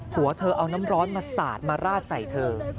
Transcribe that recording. หัวเธอเอาน้ำร้อนมาสาดมาราดใส่เธอ